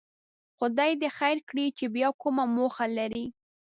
خدای دې خیر کړي چې بیا کومه موخه لري.